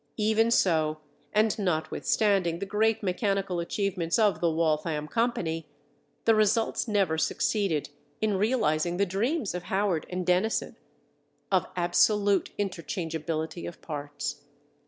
Even so, and notwithstanding the great mechanical achievements of the Waltham Company, the results never succeeded in realizing the dreams of Howard and Dennison, of absolute interchangeability of parts.